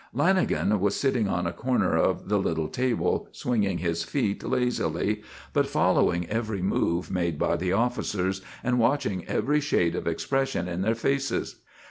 Lanagan was sitting on a corner of the little table, swinging his feet lazily, but following every move made by the officers, and watching every shade of expression in their faces.